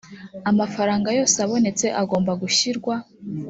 amafaranga yose abonetse agomba gushyirwa